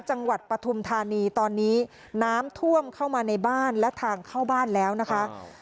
ปฐุมธานีตอนนี้น้ำท่วมเข้ามาในบ้านและทางเข้าบ้านแล้วนะคะ